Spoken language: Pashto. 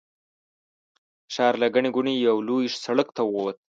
د ښار له ګڼې ګوڼې یوه لوی سړک ته ووت.